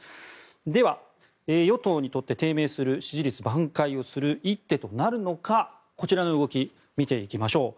では、与党にとって低迷する支持率をばん回する一手となるのか、こちらの動き見ていきましょう。